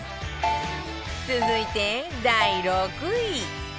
続いて第６位